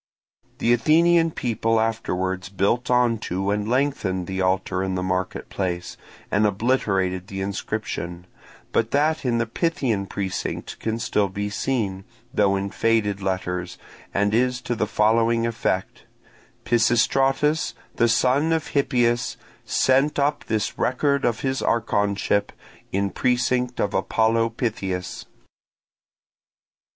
The Athenian people afterwards built on to and lengthened the altar in the market place, and obliterated the inscription; but that in the Pythian precinct can still be seen, though in faded letters, and is to the following effect: Pisistratus, the son of Hippias, Sent up this record of his archonship In precinct of Apollo Pythias.